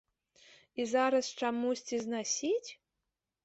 І зараз чамусьці знасіць?